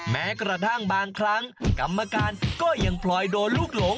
แม้กระทั่งบางครั้งกรรมการก็ยังพลอยโดนลูกหลง